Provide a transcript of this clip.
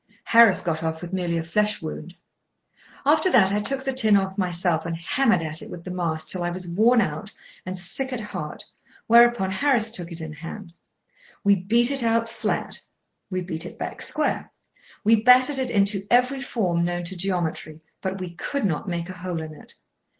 Harris got off with merely a flesh wound. After that, I took the tin off myself, and hammered at it with the mast till I was worn out and sick at heart, whereupon Harris took it in hand. [Picture: Flattened tin] We beat it out flat; we beat it back square; we battered it into every form known to geometry—but we could not make a hole in it.